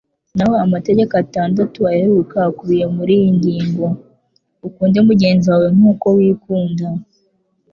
Naho amategeko atandatu aheruka akubiye muri iri ngo « Ukunde mugenzi wawe nk'uko wikunda. »